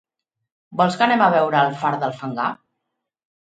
Vols que anem a veure el far del Fangar?